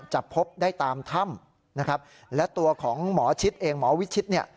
จะพบได้ตามถ้ำและตัวของหมอชิดเองหมอวิทชิด